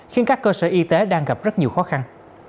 khiến các cơ sở y tế đang gặp rất nhiều khó khăn